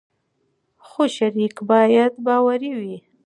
خو شریک باید باوري وي.